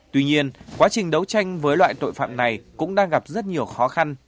tuy nhiên quá trình đấu tranh với loại tội phạm này cũng đang gặp rất nhiều khó khăn